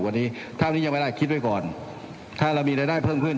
วันนี้เท่านี้ยังไม่ได้คิดไว้ก่อนถ้าเรามีรายได้เพิ่มขึ้น